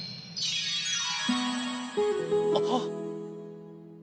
あっ。